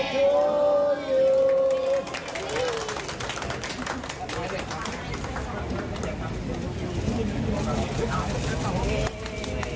เดี๋ยวเข้ามากี่ันครับ